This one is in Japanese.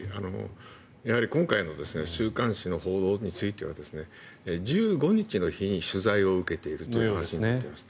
やはり今回の週刊誌の報道については１５日の日に取材を受けているという話になっています。